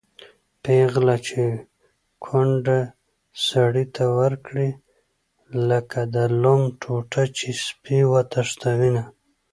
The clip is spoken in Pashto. پېغله چې کونډ سړي ته ورکړي-لکه د لم ټوټه چې سپی وتښتوېنه